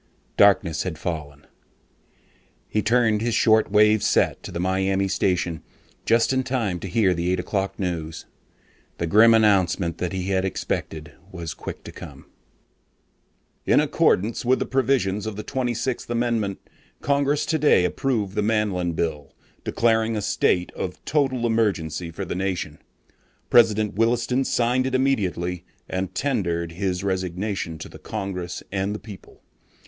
Darkness had fallen. He tuned his short wave set to the Miami station just in time to hear the eight o'clock news. The grim announcement that he had expected was quick to come: "In accordance with the provisions of the Twenty Sixth Amendment, Congress today approved the Manlin Bill, declaring a state of total emergency for the nation. President Williston signed it immediately and tendered his resignation to the Congress and the people.